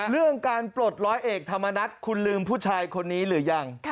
เรื่องการปลดร้อยเอกธรรมนัฐคุณลืมผู้ชายคนนี้หรือยัง